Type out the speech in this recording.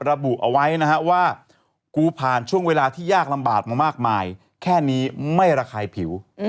ระบุเอาไว้นะฮะว่ากูผ่านช่วงเวลาที่ยากลำบากมามากมายแค่นี้ไม่ระคายผิว